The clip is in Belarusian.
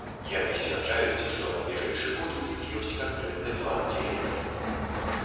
Яны сцвярджаюць, што на бліжэйшы год у іх ёсць канкрэтны план дзеянняў.